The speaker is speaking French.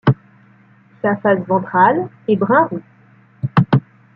Sa face ventrale est brun roux.